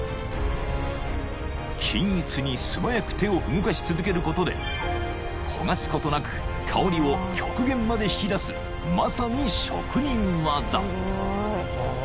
［均一に素早く手を動かし続けることで焦がすことなく香りを極限まで引き出すまさに職人技］